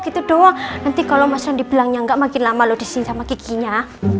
gitu doang nanti kalau mas randy bilangnya gak makin lama lo disini sama kiki nya